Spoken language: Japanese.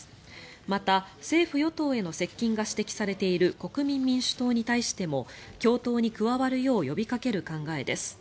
また、政府・与党への接近が指摘されている国民民主党に対しても共闘に加わるよう呼びかける考えです。